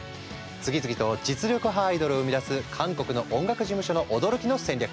次々と実力派アイドルを生み出す韓国の音楽事務所の驚きの戦略。